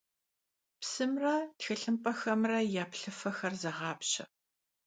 Psımre txılhımp'exemre ya plhıfexer zeğapşe.